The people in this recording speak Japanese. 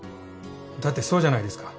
だってそうじゃないですか。